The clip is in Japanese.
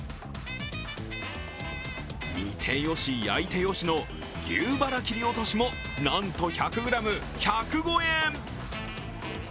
煮てよし、焼いてよしの牛バラ切り落としも、なんと１００ｇ、１０５円。